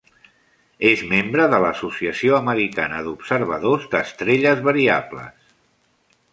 És membre de l'Associació Americana d'Observadors d'Estrelles Variables.